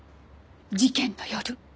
事件の夜。